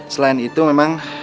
selain itu memang